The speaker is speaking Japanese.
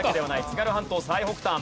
津軽半島最北端。